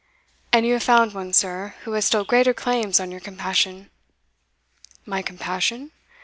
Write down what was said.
"And you have found one, sir, who has still greater claims on your compassion." "My compassion?